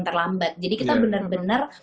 terlambat jadi kita bener bener